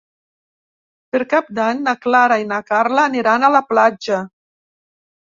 Per Cap d'Any na Clara i na Carla aniran a la platja.